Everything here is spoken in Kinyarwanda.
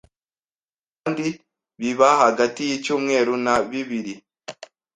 kandi biba hagati y’icyumweru na bibiri